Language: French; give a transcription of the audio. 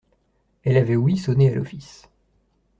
Elle avait ouï sonner à l'office.